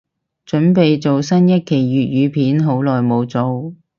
凖備做新一期粤語片，好耐無做